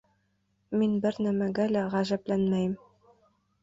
Мин бер нәмәгә лә ғәжәпләнмәйем.